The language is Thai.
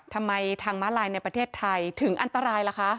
ทางม้าลายในประเทศไทยถึงอันตรายล่ะคะ